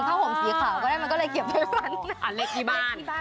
เข้าหงสีขาวก็ได้มันก็เลยเก็บไว้เพิ่มฟัน